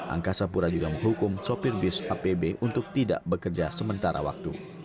angkasa pura juga menghukum sopir bis apb untuk tidak bekerja sementara waktu